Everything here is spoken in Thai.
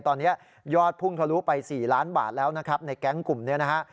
ตอนนี้ยอดพุ่งทะลุไป๔ล้านบาทแล้วนะครับในแก๊งกลุ่มนี้นะฮะ